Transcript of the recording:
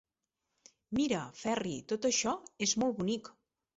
Mira, Ferri, tot això és molt bonic.